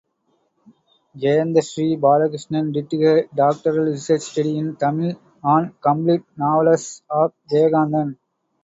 Jayanthasri Balakrishnan did her doctoral research study in Tamil on complete novellas of Jayakanthan.